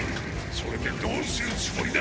それでどうするつもりだ？